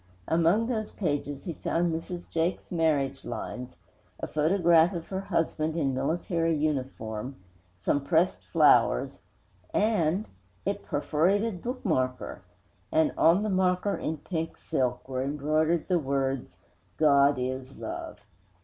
Among those pages he found Mrs. Jake's marriage 'lines,' a photograph of her husband in military uniform, some pressed flowers and a perforated bookmarker! And on the bookmarker, in pink silk, were embroidered the words: GOD IS LOVE.